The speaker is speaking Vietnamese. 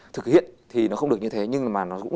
thực hiện thì nó không được như thế nhưng mà nó cũng